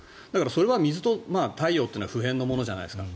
それは水と太陽というのは不変のものじゃないですか。